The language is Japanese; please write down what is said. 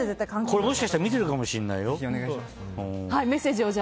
これ、もしかしたら見てるかもしれないよ。